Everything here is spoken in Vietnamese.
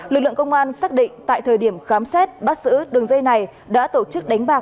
lực lượng công an xác định tại thời điểm khám xét bắt giữ đường dây này đã tổ chức đánh bạc